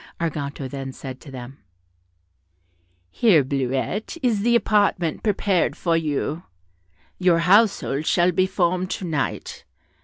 Arganto then said to them, "Here, Bleuette, is the apartment prepared for you; your household shall be formed to night.